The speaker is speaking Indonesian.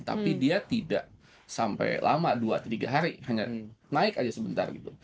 tapi dia tidak sampai lama dua atau tiga hari hanya naik aja sebentar gitu